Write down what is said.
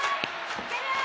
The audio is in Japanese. いけるよー！